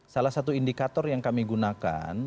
salah satu indikator yang kami gunakan